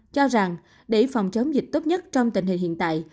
cho rằng để phòng chống dịch tốt nhất trong tình hình hiện tại